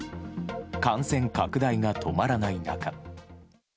感染拡大が止まらない中。